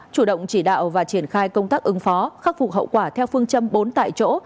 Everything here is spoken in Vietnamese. chủ động chỉ đạo và triển khai công tác ứng phó khắc phục hậu quả theo phương châm bốn tại chỗ